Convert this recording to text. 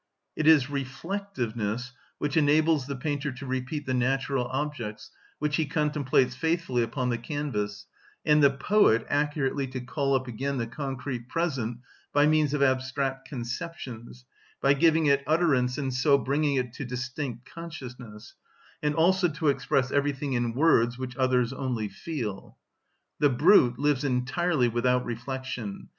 It is reflectiveness which enables the painter to repeat the natural objects which he contemplates faithfully upon the canvas, and the poet accurately to call up again the concrete present, by means of abstract conceptions, by giving it utterance and so bringing it to distinct consciousness, and also to express everything in words which others only feel. The brute lives entirely without reflection.